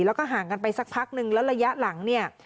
แล้วก็ห่างกันไปสักพักนึงแล้วระยะหลังเนี่ย